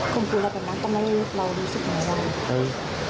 คุมกลัวแบบนั้นก็ไม่รู้สึกเหมือนกัน